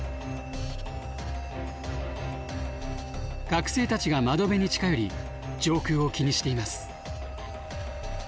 学生たちが窓辺に近寄り上空を気にしています。